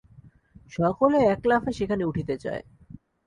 সকলে এক লাফে সেখানে উঠিতে চায়।